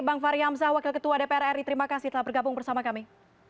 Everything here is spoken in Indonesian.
bang fahri hamzah wakil ketua dpr ri terima kasih telah bergabung bersama kami